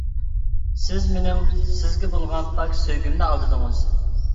سىز مېنىڭ سىزگە بولغان پاك سۆيگۈمنى ئالدىدىڭىز.